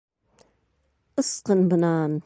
- Ысҡын бынан!